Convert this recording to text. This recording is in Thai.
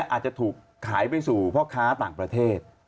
อาจจะถูกขายไปสู่พ่อค้าต่างประเทศ